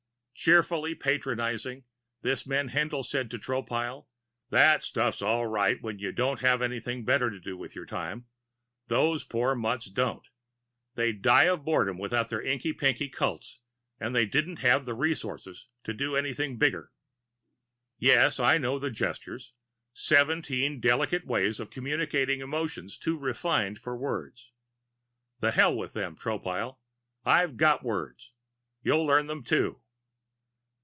Cheerfully patronizing, this man Haendl said to Tropile: "That stuffs all right when you don't have anything better to do with your time. Those poor mutts don't. They'd die of boredom without their inky pinky cults and they don't have the resources to do anything bigger. Yes, I do know the Gestures. Seventeen delicate ways of communicating emotions too refined for words. The hell with them, Tropile. I've got words. You'll learn them, too."